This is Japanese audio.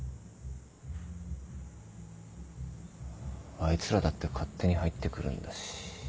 あいつらだって勝手に入ってくるんだし。